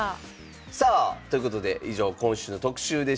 さあということで以上今週の特集でした。